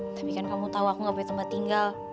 tapi kan kamu tahu aku gak punya tempat tinggal